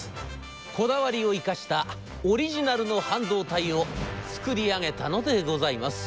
こだわりを生かしたオリジナルの半導体を作り上げたのでございます」。